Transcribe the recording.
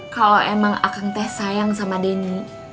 kalau emang akan teh sayang sama denny